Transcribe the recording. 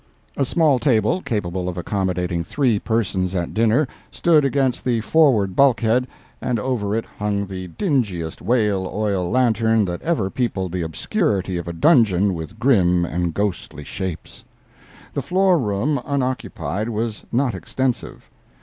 A small table, capable of accommodating three persons at dinner, stood against the forward bulkhead, and over it hung the dingiest whale oil lantern that ever peopled the obscurity of a dungeon with grim and ghostly shapes. The floor room unoccupied was not extensive.